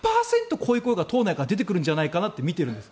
こういうことが党内から出てくるんじゃないかとみているんです。